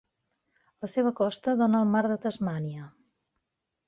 La seva costa dona al mar de Tasmània.